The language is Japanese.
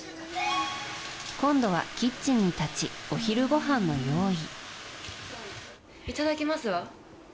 今度はキッチンに立ちお昼ごはんの用意。